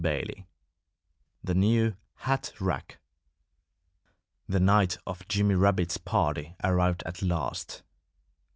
XXII THE NEW HAT RACK The night of Jimmy Rabbit's party arrived at last.